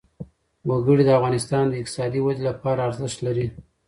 وګړي د افغانستان د اقتصادي ودې لپاره ارزښت لري.